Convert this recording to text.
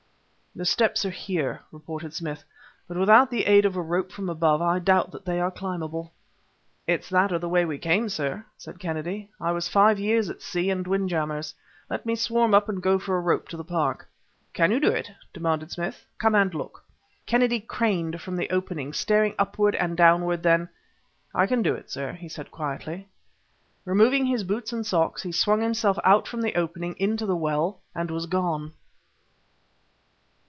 "The steps are here," reported Smith; "but without the aid of a rope from above, I doubt if they are climbable." "It's that or the way we came, sir!" said Kennedy. "I was five years at sea in wind jammers. Let me swarm up and go for a rope to the Park." "Can you do it?" demanded Smith. "Come and look!" Kennedy craned from the opening, staring upward and downward; then "I can do it, sir," he said quietly. Removing his boots and socks, he swung himself out from the opening into the well and was gone.